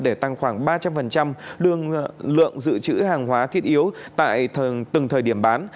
để tăng khoảng ba trăm linh lượng dự trữ hàng hóa thiết yếu tại từng thời điểm bán